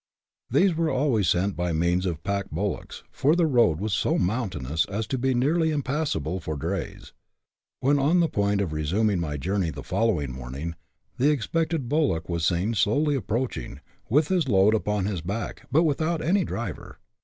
These were always sent by means of pack bullocks, for the road was so mountainous as to be nearly impassable for drays. When on the point of resuming my journey on the following morning, the expected bullock was seen slowly approaching, with his load upon his back, but without any driver.